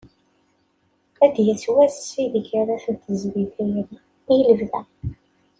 Ad d-yas wass ideg ara ten-tezdi tayri i lebda.